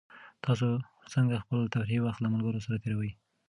تاسو څنګه خپل تفریحي وخت له ملګرو سره تېروئ؟